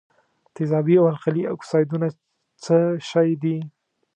تیزابي او القلي اکسایدونه څه شی دي؟